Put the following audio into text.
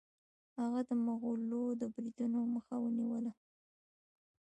هغه د مغولو د بریدونو مخه ونیوله.